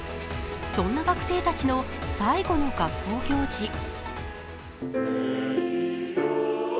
そんな学生たちの最後の学校行事。